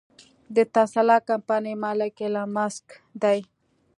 د ټسلا کمپنۍ مالک ايلام مسک دې.